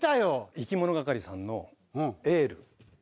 いきものがかりさんの『ＹＥＬＬ』。